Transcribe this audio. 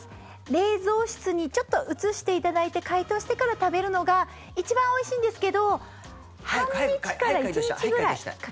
冷蔵室にちょっと移していただいて解凍してから食べるのが一番おいしいんですけど早く解凍したい。